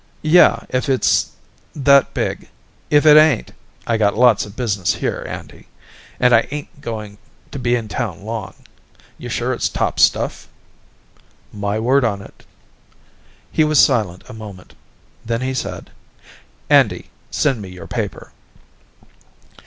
"Yeah, if it's that big. If it ain't, I got lots of business here, Andy. And I ain't going to be in town long. You're sure it's top stuff?" "My word on it." He was silent a moment. Then he said, "Andy, send me your paper."